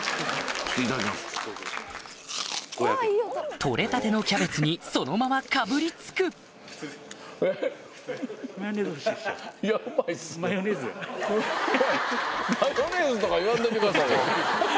取れたてのキャベツにそのままかぶりつくえっ？ハハハ。